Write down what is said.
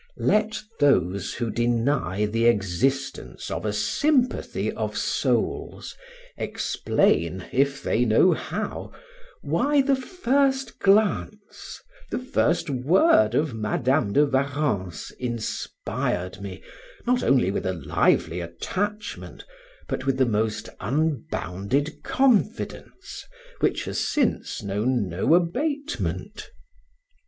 Let those who deny the existence of a sympathy of souls, explain, if they know how, why the first glance, the first word of Madam de Warrens inspired me, not only with a lively attachment, but with the most unbounded confidence, which has since known no abatement.